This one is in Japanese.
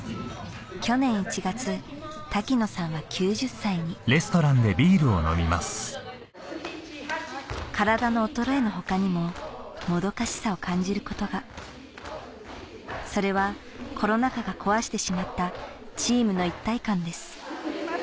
去年１月滝野さんは９０歳に体の衰えの他にももどかしさを感じることがそれはコロナ禍が壊してしまったチームの一体感です